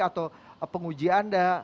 atau penguji anda